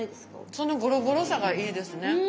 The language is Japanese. そのゴロゴロさがいいですね。